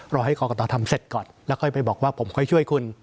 รอให้กอกกอตอนั้นทำเสร็จก่อนและก็ไปบอกว่าผมค่อยช่วยคุณ